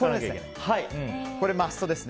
これはマストです。